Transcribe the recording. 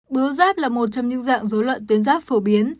bướu giáp là một trong những dạng dối loạn tuyến giáp phổ biến